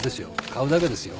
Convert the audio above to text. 買うだけですよ。